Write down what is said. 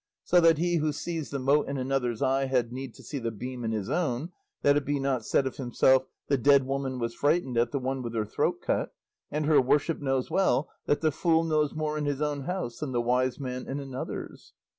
So that he 'who sees the mote in another's eye had need to see the beam in his own,' that it be not said of himself, 'the dead woman was frightened at the one with her throat cut;' and your worship knows well that 'the fool knows more in his own house than the wise man in another's.